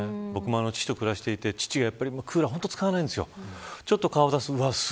僕も父と暮らしていてクーラーを本当に使わないんです。